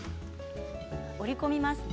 折り込みですね。